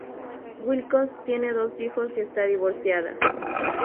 Wilcox tiene dos hijos y está divorciada.